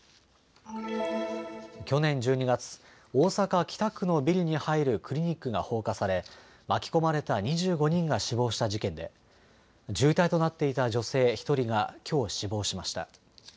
去年１２月、大阪北区のビルに入るクリニックが放火され巻き込まれた２５人が死亡した事件で重体となっていた女性１人がきょう死亡しました。